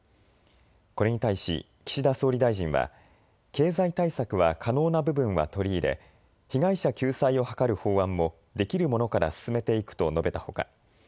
これに対し岸田総理大臣は経済対策は可能な部分は取り入れ被害者救済を図る法案も、できるものから進めていくと述べたほか